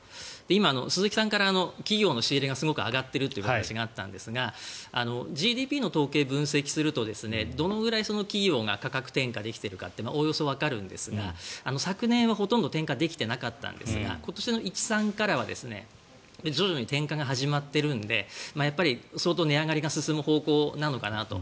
今、鈴木さんから企業の仕入れが上がっているという話があったんですがＧＤＰの統計を分析するとどのぐらい企業が価格転嫁できてるかっておおよそわかるんですが昨年はほとんど転嫁できていなかったんですが今年の１ー３からは徐々に転嫁が始まってるのでやっぱり相当値上がりが進む方向なのかなと。